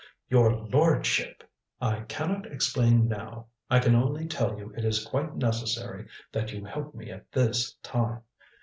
"Your lordship! " "I can not explain now. I can only tell you it is quite necessary that you help me at this time.